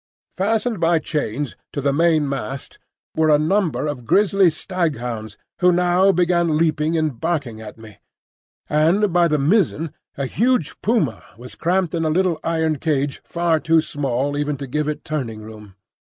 Fastened by chains to the mainmast were a number of grisly staghounds, who now began leaping and barking at me, and by the mizzen a huge puma was cramped in a little iron cage far too small even to give it turning room.